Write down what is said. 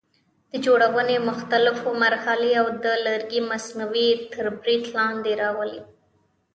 د جوړونې مختلفې مرحلې او د لرګي مصنوعات تر برید لاندې راولي.